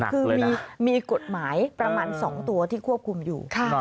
คือมีกฎหมายประมาณ๒ตัวที่ควบคุมอยู่